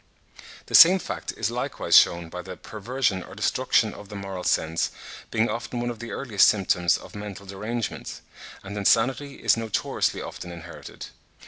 The same fact is likewise shewn by the "perversion or destruction of the moral sense being often one of the earliest symptoms of mental derangement" (47. Maudsley, 'Body and Mind,' 1870, p. 60.); and insanity is notoriously often inherited.